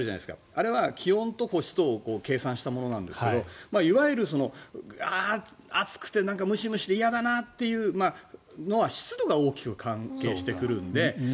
あれは気温と湿度を計算したものなんだけどいわゆる暑くてムシムシして嫌だなというのは湿度が大きく関係してくるので。